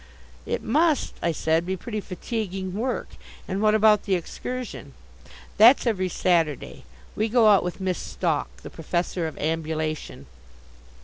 "It must," I said, "be pretty fatiguing work, and what about the Excursion?" "That's every Saturday. We go out with Miss Stalk, the professor of Ambulation."